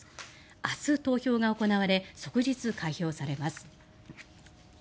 明日、投票が行われ即日開票されます。